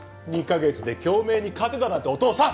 ２カ月で京明に勝てだなんてお父さん！